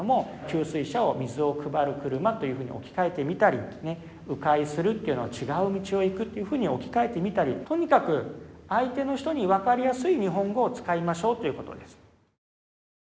「給水車」を「水をくばる車」というふうに置き換えてみたりね「う回する」というのを「ちがう道をいく」っていうふうに置き換えてみたりとにかく相手の人に分かりやすい日本語を使いましょうということです。